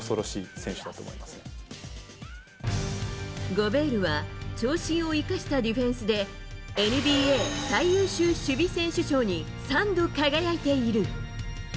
ゴベールは長身を生かしたディフェンスでＮＢＡ最優秀守備選手賞に３度輝いている。